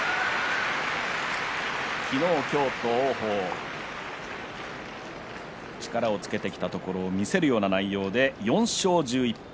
昨日、今日と王鵬力をつけてきたところを見せるような内容で４勝１１敗。